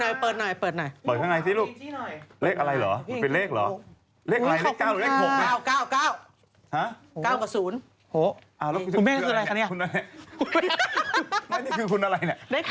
ไหนพี่เลข๖ของพี่อยู่ไง